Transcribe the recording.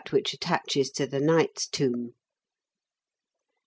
attaches to the knight's tomb.